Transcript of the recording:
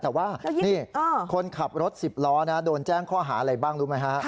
แต่ว่านี่คนขับรถ๑๐ล้อโดนแจ้งข้อหาอะไรบ้างรู้ไหมฮะ